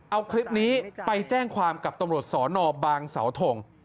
เอาคลิปนี้ไปแจ้งความกับตำรวจสอนอบางเสาทง